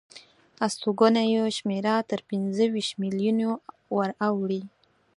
استوګنو یې شمېره تر پنځه ویشت میلیونو وراوړي.